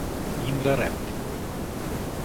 Imre Rapp